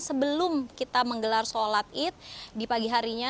sebelum kita menggelar sholat id di pagi harinya